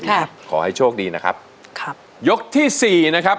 ขอให้โชคดีนะครับครับยกที่สี่นะครับ